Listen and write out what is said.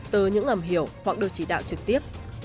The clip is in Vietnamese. từ những ngầm hiểu hoặc được chỉ đạo trực tiếp